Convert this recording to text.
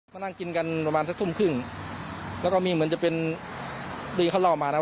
มานั่งกินกันประมาณสักทุ่มครึ่งแล้วก็มีเหมือนจะเป็นที่เขาเล่ามานะ